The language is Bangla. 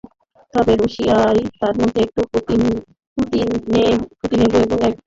তবে রুশিয়ায় তার মধ্যে একটু পাতিনেবু এবং এক ডেলা চিনি চায়ের মধ্যে ফেলে দেয়।